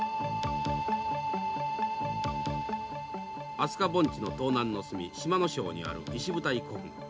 明日香盆地の東南の隅島庄にある石舞台古墳。